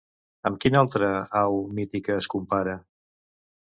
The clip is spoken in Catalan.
Amb quina altra au mítica es compara?